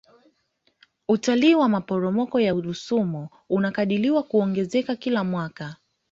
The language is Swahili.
utalii wa maporomoko ya rusumo unakadiriwa kuongezeka kila mwaka